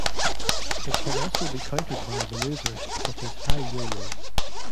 It can also be countered by maneuvers such as high yo-yo.